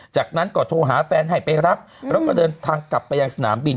จากนั้นก็โทรหาแฟนให้ไปรับแล้วก็เดินทางกลับไปยังสนามบิน